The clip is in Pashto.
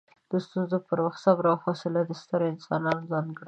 د ستونزو پر وخت صبر او حوصله د سترو انسانانو ځانګړنه ده.